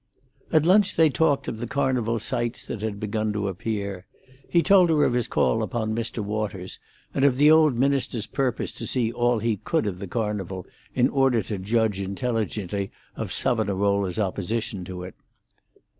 At lunch they talked of the Carnival sights that had begun to appear. He told of his call upon Mr. Waters, and of the old minister's purpose to see all he could of the Carnival in order to judge intelligently of Savonarola's opposition to it.